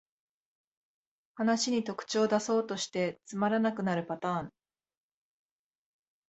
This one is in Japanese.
話に特徴だそうとしてつまらなくなるパターン